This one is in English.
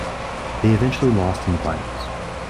They eventually lost in the finals.